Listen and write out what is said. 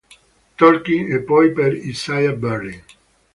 Tolkien e poi per Isaiah Berlin.